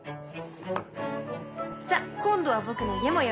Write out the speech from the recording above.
じゃ今度は僕の家もよろしく。